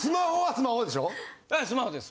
スマホです。